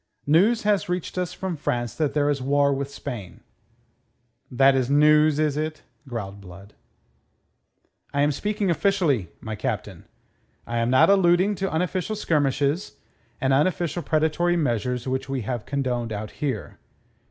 "News has reached us from France that there is war with Spain." "That is news, is it?" growled Blood. "I am speaking officially, my Captain. I am not alluding to unofficial skirmishes, and unofficial predatory measures which we have condoned out here.